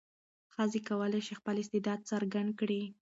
ښځې کولای شي خپل استعداد څرګند کړي.